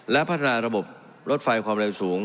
และพัฒนาระบบรถไฟความเร็วสูง